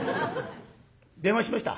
電話しました。